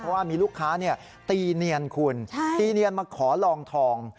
เพราะว่ามีลูกค้าตีเนียนคุณตีเนียนมาขอลองทอง